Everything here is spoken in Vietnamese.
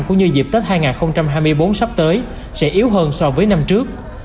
cũng như dịp tết hai nghìn hai mươi bốn sắp tới sẽ yếu hơn so với năm trước